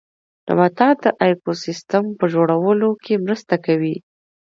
نباتات د ايکوسيستم په جوړولو کې مرسته کوي